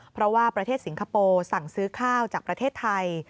เพราะว่าประเทศสิงคโปร์สั่งซื้อข้าวจากประเทศไทย